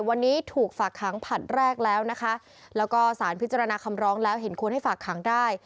วันนี้ถูกฝากขังผลัดแรกแล้วนะคะแล้วก็สารพิจารณาคำร้องแล้วเห็นควรให้ฝากขังได้